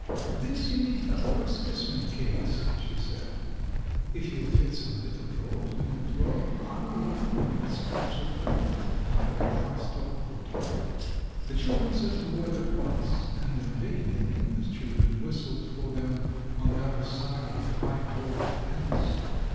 "This you may have for a specimen case," she said. "If you'll fit some little drawers in it, Rob, I'll line them with scraps of velvet and have a glass top put on." The children set to work at once, and in vain the neighbors' children whistled for them on the other side of the high board fence.